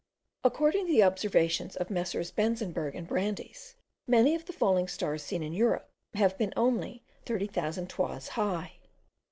According to the observations of Messrs. Benzenberg and Brandes, many of the falling stars seen in Europe have been only thirty thousand toises high.